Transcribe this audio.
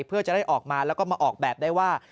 เพื่อจะได้ออกมาแล้วก็มาออกแบบได้ว่า